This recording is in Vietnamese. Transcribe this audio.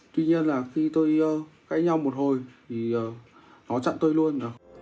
tuy nhiên là khi tôi cãi nhau một hồi thì nó chặn tôi luôn rồi